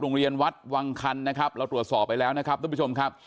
โรงเรียนวัดวังคันนะครับเราตรวจสอบไปแล้วนะครับทุกผู้ชมครับ